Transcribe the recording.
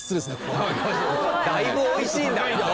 だいぶおいしいんだな！